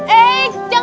eh jangan jangan